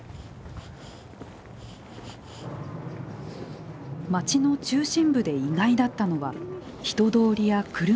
街の中心部で意外だったのは人通りや車の多さ。